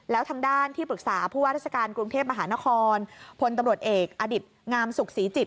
แล้วทางด้านที่ปรึกษาผู้ว่าราชการกรุงเทพมหานครพลตำรวจเอกอดิตงามสุขศรีจิต